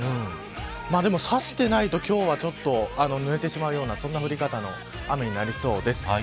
でも差してないと今日はちょっと濡れてしまうようなそんな降り方の雨になりそうです。